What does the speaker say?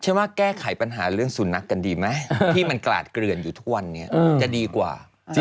ว่าแก้ไขปัญหาเรื่องสุนัขกันดีไหมที่มันกลาดเกลื่อนอยู่ทุกวันนี้จะดีกว่า